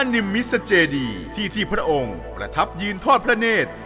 นิมมิสเจดีที่ที่พระองค์ประทับยืนทอดพระเนธ